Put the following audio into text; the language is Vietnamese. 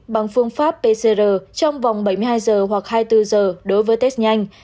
bằng phương pháp pcr trong vòng bảy mươi hai giờ hoặc hai mươi bốn giờ đối với test nhanh